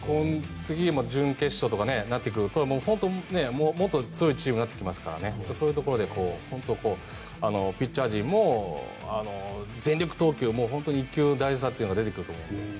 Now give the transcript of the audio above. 次も準決勝とかになってくるともっと強いチームになってきますからそういうところでピッチャー陣も全力投球本当に１球、大事ってことが出てくると思うので。